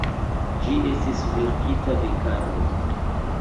Ĝi estis verkita de Karlo.